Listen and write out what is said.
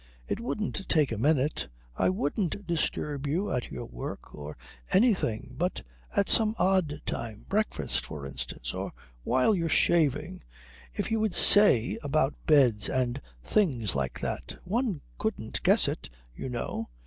It wouldn't take a minute. I wouldn't disturb you at your work for anything, but at some odd time breakfast, for instance, or while you're shaving if you'd say about beds and things like that. One couldn't guess it, you know.